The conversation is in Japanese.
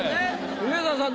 梅沢さん